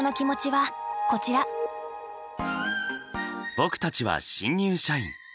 僕たちは新入社員。